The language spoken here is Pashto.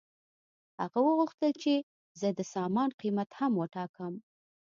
هغه وغوښتل چې زه د سامان قیمت هم وټاکم